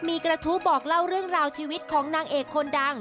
มีกระทู้บอกเล่าเรื่องราวชีวิตของนางเอกคนดัง